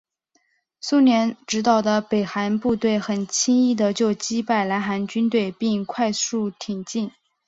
苏联指导的北韩部队很轻易的就击败南韩军队并快速挺进。